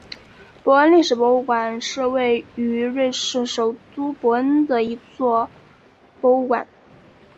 伯恩历史博物馆是位于瑞士首都伯恩的一座博物馆。